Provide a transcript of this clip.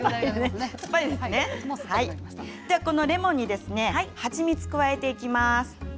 このレモンに蜂蜜を加えていきます。